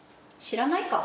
知らないか。